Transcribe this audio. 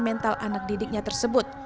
mental anak didiknya tersebut